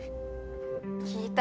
聞いた？